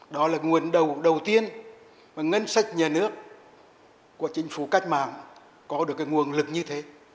đó là nguồn đầu tiên mà ngân sách nhà nước của chính phủ cách mạng có được cái nguồn lực như thế